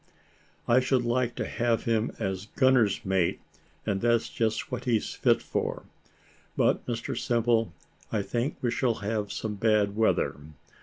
I should like to have him as gunner's mate, and that's just what he's fit for. But, Mr Simple, I think we shall have some bad weather.